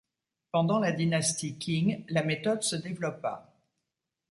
Pendant la dynastie Qing, la méthode se développa.